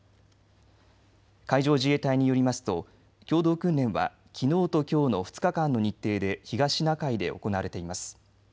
海上自衛隊によりますと共同訓練はきのうときょうの２日間の日程で東シナ海で行われています。